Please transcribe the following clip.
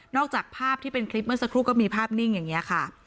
จากภาพที่เป็นคลิปเมื่อสักครู่ก็มีภาพนิ่งอย่างนี้ค่ะ